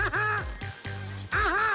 アハハ！